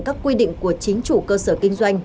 các quy định của chính chủ cơ sở kinh doanh